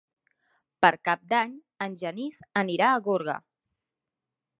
Per Cap d'Any en Genís anirà a Gorga.